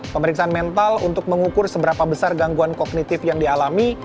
pemeriksaan mental untuk mengukur seberapa besar gangguan kognitif yang dialami